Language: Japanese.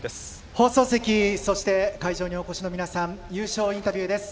放送席、そして会場にお越しの皆さん優勝インタビューです。